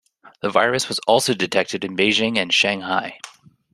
The virus was also detected in Beijing and Shanghai.